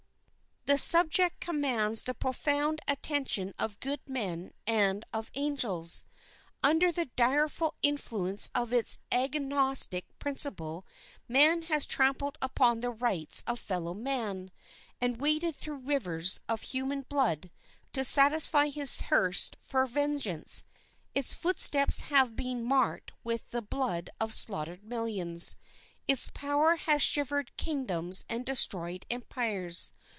The subject commands the profound attention of good men and of angels. Under the direful influence of its antagonistic principle man has trampled upon the rights of fellow man, and waded through rivers of human blood, to satisfy his thirst for vengeance. Its footsteps have been marked with the blood of slaughtered millions. Its power has shivered kingdoms and destroyed empires.